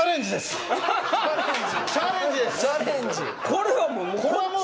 これはもう。